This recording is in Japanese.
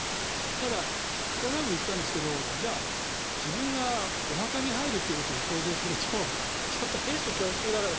ただ、この前も言ったんですけどじゃあ自分がお墓に入るということを想像するとやっぱり閉所恐怖症だから。